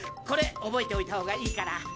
これ覚えておいた方がいいから。